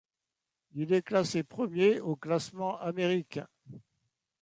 Il est classé premier au classement américain.